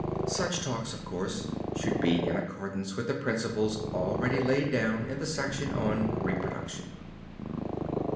Such talks, of course, should be in accordance with the principles already laid down in the section on "Reproduction."